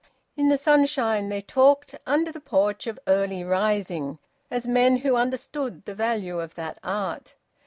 In the sunshine they talked under the porch of early rising, as men who understood the value of that art.